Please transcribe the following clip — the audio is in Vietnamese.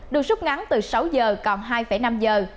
được rút ngắn từ sáu giờ còn hai năm giờ